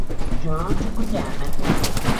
Jorge Gutiérrez